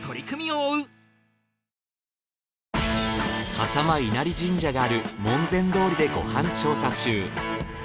笠間稲荷神社がある門前通りでご飯調査中。